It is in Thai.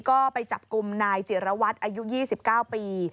ก็ไปจับกลุ่มนายจิรวัตรอายุ๒๙ปี